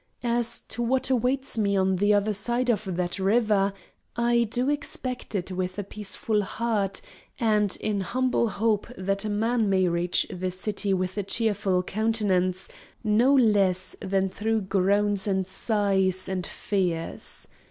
As to what awaits me on the other side of that River, I do expect it with a peaceful heart, and in humble hope that a man may reach the City with a cheerful countenance, no less than through groans and sighs and fears.